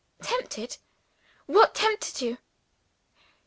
"Tempted? What tempted you?"